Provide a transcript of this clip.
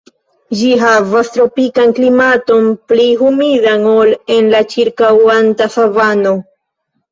Ĝi havas tropikan klimaton, pli humidan ol en la ĉirkaŭanta savano.